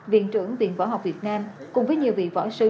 viện trưởng viện võ học việt nam cùng với nhiều vị võ sư